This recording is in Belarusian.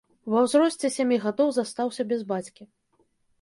Ва ўзросце сямі гадоў застаўся без бацькі.